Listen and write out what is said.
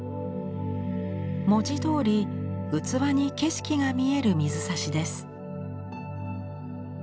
文字どおり器に景色が見える水指です。